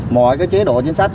mọi cái chế độ chính sách